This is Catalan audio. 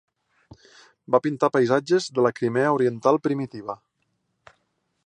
Va pintar paisatges de la Crimea oriental primitiva.